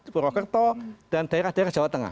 purwokerto dan daerah daerah jawa tengah